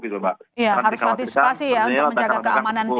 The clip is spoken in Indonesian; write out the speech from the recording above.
iya harus antisipasi ya untuk menjaga keamanan